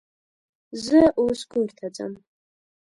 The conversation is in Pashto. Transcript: زه اوس کور ته ځم